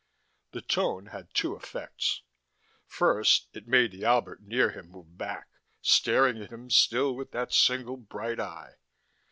The tone had two effects. First, it made the Albert near him move back, staring at him still with that single bright eye.